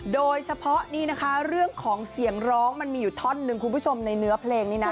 โดยเฉพาะนี่นะคะเรื่องของเสียงร้องมันมีอยู่ท่อนหนึ่งคุณผู้ชมในเนื้อเพลงนี้นะ